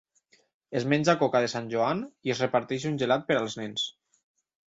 Es menja coca de sant Joan i es reparteix un gelat per als nens.